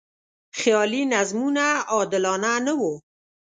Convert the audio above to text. خیالي نظمونه عادلانه نه و.